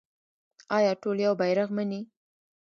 آیا ټول یو بیرغ مني؟